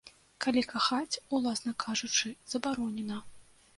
Калі кахаць, уласна кажучы, забаронена.